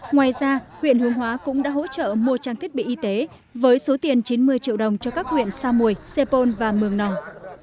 ngoài ra huyện hướng hóa cũng đã hỗ trợ mua trang thiết bị y tế với số tiền chín mươi triệu đồng cho các huyện sa mùi sê pôn và mường nòng